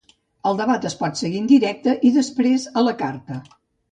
El debat es pot seguir en directe i, després, a la carta.